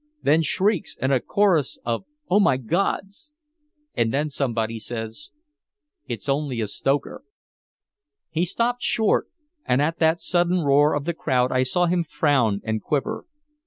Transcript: then shrieks and a chorus of 'Oh my God's!' And then somebody says, 'It's only a stoker.'" He stopped short, and at the sudden roar of the crowd I saw him frown and quiver.